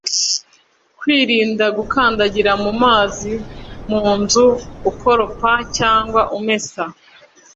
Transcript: kwirinda gukandagira mu mazi mu nzu ukoropa cyangwa umesa